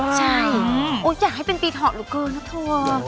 ใช่อยากให้เป็นปีเถาะเหลือเกินนะเธอ